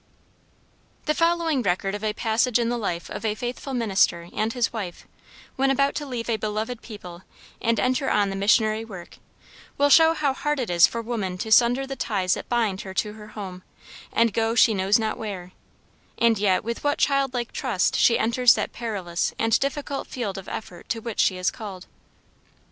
The following record of a passage in the life of a faithful minister and his wife, when about to leave a beloved people and enter on the missionary work, will show how hard it is for woman to sunder the ties that bind her to her home, and go she knows not where, and yet with what childlike trust she enters that perilous and difficult field of effort to which she is called.